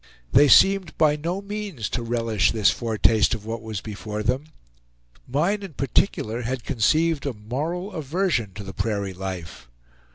They seemed by no means to relish this foretaste of what was before them. Mine, in particular, had conceived a moral aversion to the prairie life.